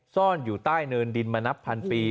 ซ่อนอยู่ใต้เนินดินมานับพันปี